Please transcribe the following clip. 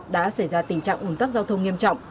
đã xảy ra tình trạng ủn tắc giao thông nghiêm trọng